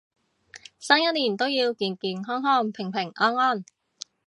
新一年都要健健康康平平安安